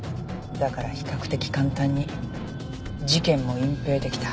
だから比較的簡単に事件も隠ぺいできた。